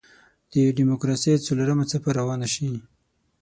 د دیموکراسۍ څلورمه څپه روانه شي.